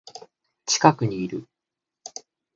近くにいる